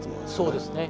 そうですね。